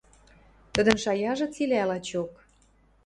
– Тӹдӹн шаяжы цилӓ лачок...